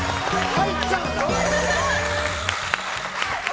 入っちゃうのか。